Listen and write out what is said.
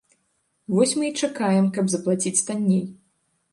Вось мы і чакаем, каб заплаціць танней.